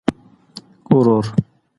ورور